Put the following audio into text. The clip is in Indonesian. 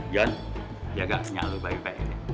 jon jaga senyap lo bagi pak ini